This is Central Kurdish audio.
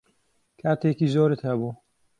کاتێکی زۆرت هەبوو.